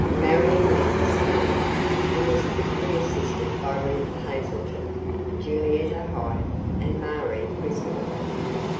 Marion led this move, and was quickly assisted by Ruth Hazelton, Julietta Hyde, and Marie Crismore.